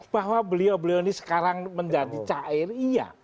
bahwa beliau beliau ini sekarang menjadi cair iya